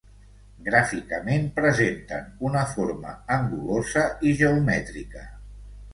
Gràficament, presenten una forma angulosa i geomètrica.